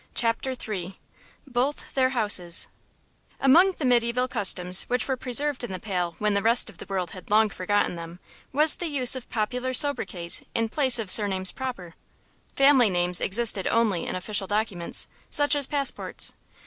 CHAPTER III BOTH THEIR HOUSES Among the mediæval customs which were preserved in the Pale when the rest of the world had long forgotten them was the use of popular sobriquets in place of surnames proper. Family names existed only in official documents, such as passports.